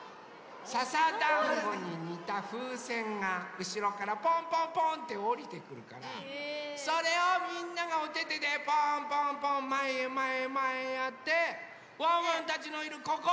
ささだんごににたふうせんがうしろからぽんぽんぽんっておりてくるからそれをみんながおててでぽんぽんぽんまえへまえへまえへやってワンワンたちのいるここ！